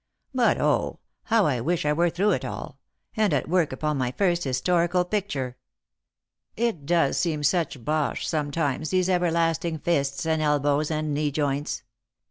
But, O, how I wish I were through it all, and at work upon my first historical picture ! It does seem such bosh, sometimes, these everlasting fists and elbows and knee joints.